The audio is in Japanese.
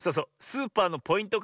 スーパーのポイント